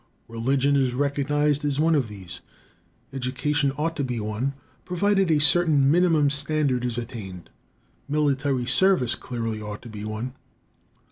Religion is recognized as one of these. Education ought to be one, provided a certain minimum standard is attained. Military service clearly ought to be one.